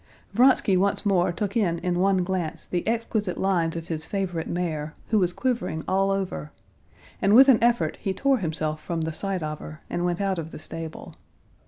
Vronsky once more took in in one glance the exquisite lines of his favorite mare; who was quivering all over, and with an effort he tore himself from the sight of her, and went out of the stable.